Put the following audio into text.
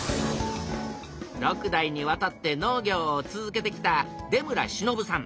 ６代にわたって農業を続けてきた出村忍さん。